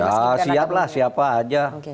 ya siap lah siapa aja